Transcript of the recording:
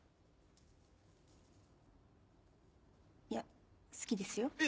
いや好きですよ。